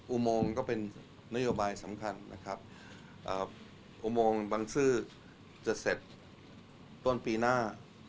อุโมงก็เป็นนโยบายสำคัญนะครับอุโมงบังซื้อจะเสร็จต้นปีหน้า